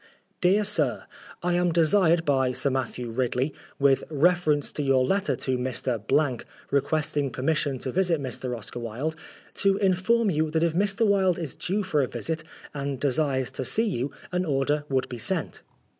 DEAR SIR, I am desired by Sir Matthew Ridley, with reference to your letter to Mr. requesting permission to visit Mr. Oscar Wilde, to inform you that if Mr. Wilde is due for a visit and desires to see you an order would be sent.